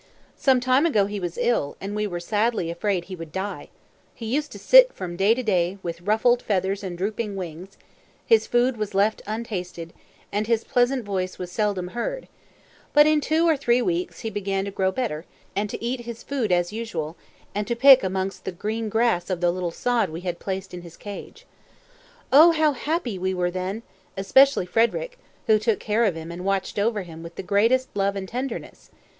Sometime ago he was ill, and we were sadly afraid he would die; he used to sit from day to day, with ruffled feathers and drooping wings; his food was left untasted, and his pleasant voice was seldom heard; but in two or three weeks he began to grow better, and to eat his food as usual, and to pick amongst the green grass of the little sod we had placed in his cage. Oh, how happy we all were then, especially Frederick, who took care of him, and watched over him with the greatest love and tenderness.